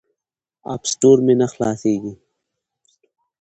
اپ سټور مې نه خلاصیږي.